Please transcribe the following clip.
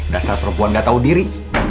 dasar perempuan gak tahu diri